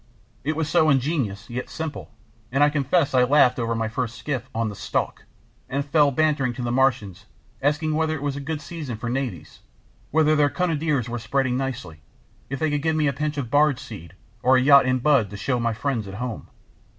It was so ingenious, yet simple; and I confess I laughed over my first skiff "on the stalk," and fell to bantering the Martians, asking whether it was a good season for navies, whether their Cunarders were spreading nicely, if they could give me a pinch of barge seed, or a yacht in bud to show to my friends at home.